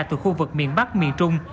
từ khu vực miền bắc miền trung